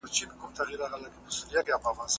د ښوونځیو لپاره د تدریسي موادو منظم اکمال نه و.